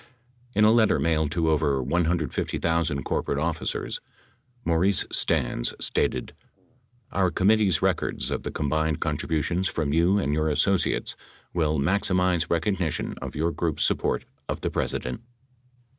In a letter mailed to over 150,000 cor porate officers, Maurice Stans stated : "Our committee's records of the combined contributions from you and your associates will maximize recognition of your group's support of the President."